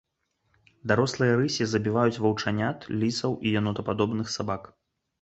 Дарослыя рысі забіваюць ваўчанят, лісаў і янотападобных сабак.